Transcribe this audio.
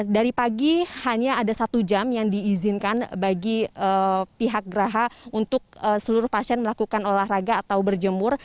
dari pagi hanya ada satu jam yang diizinkan bagi pihak geraha untuk seluruh pasien melakukan olahraga atau berjemur